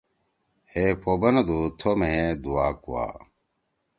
ہے پو بنَدُو تھو مھیئے دُعا کُوا۔